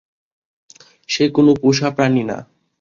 সে কোন পোষা প্রানী না।